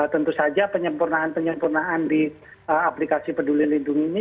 tentu saja penyempurnaan penyempurnaan di aplikasi peduli lindungi ini